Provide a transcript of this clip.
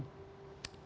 tidak berdiri sendiri